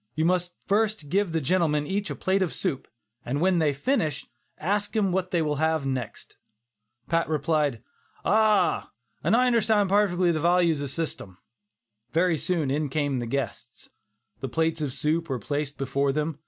You must first give the gentlemen each a plate of soup, and when they finish that, ask them what they will have next." Pat replied, "Ah! an' I understand parfectly the vartues of shystem." Very soon in came the guests. The plates of soup were placed before them.